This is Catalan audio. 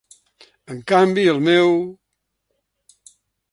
En canvi, el meu...